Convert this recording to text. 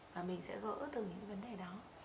và mình sẽ gỡ từ những vấn đề đó